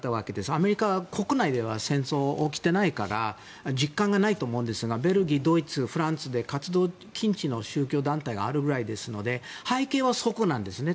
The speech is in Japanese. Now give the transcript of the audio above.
アメリカは、国内では戦争が起きてないから実感がないと思うんですがベルギー、ドイツ、フランスで活動している宗教団体があるぐらいですので背景は、そこなんですね。